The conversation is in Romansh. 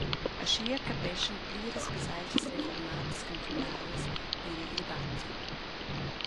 Aschia capeschan pliras baselgias reformadas cantunalas era il batten.